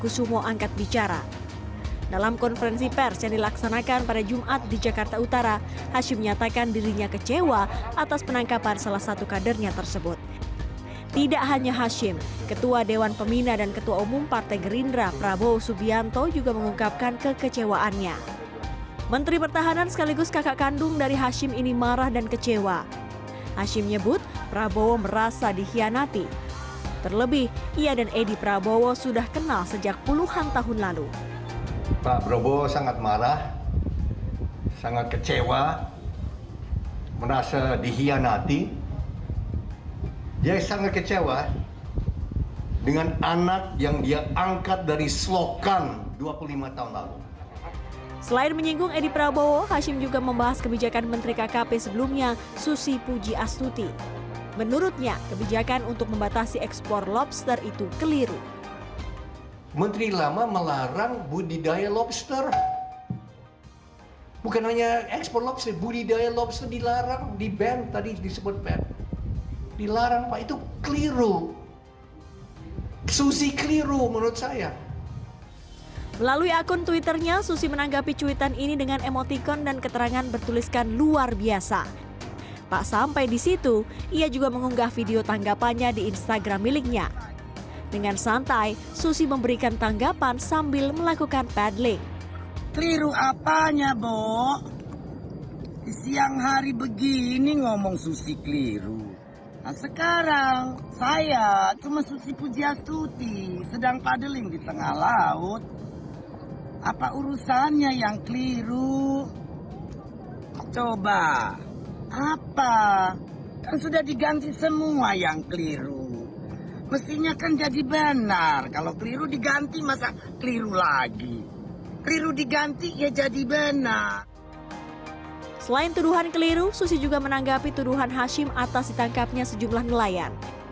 selain tuduhan keliru susi juga menanggapi tuduhan hashim atas ditangkapnya sejumlah melayan